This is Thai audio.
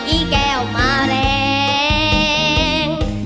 อีแก้วมาแรง